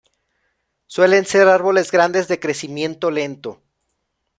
Suelen ser árboles grandes, de crecimiento lento.